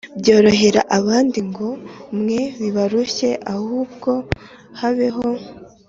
Byorohera abandi g ngo mwe bibarushye ahubwo habeho